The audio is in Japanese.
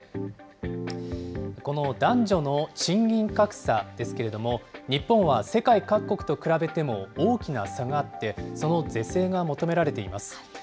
男女の賃金格差など、労働経済学この男女の賃金格差ですけれども、日本は世界各国と比べても大きな差があって、その是正が求められています。